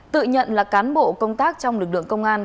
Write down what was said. tự nhận là cán bộ công tác trong lực lượng công an